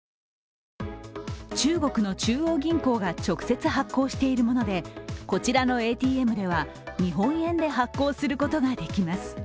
中国の千央銀行が直接発行しているもので、こちらのＡＴＭでは、日本円で発行することができます。